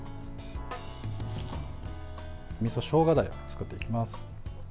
みそしょうがダレを作っていきます。